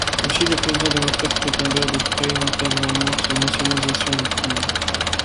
Au Chili, le président démocrate-chrétien Eduardo Frei Montalva amorce la nationalisation du cuivre.